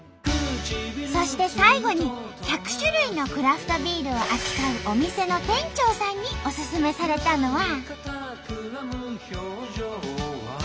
そして最後に１００種類のクラフトビールを扱うお店の店長さんにおすすめされたのは。